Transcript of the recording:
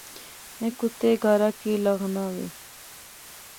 میں کتے گارا کی لاغا ناں وہے